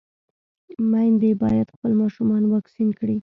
ميندې بايد خپل ماشومان واکسين کړي.